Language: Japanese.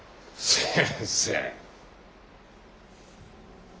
先生。